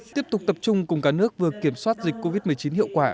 tiếp tục tập trung cùng cả nước vừa kiểm soát dịch covid một mươi chín hiệu quả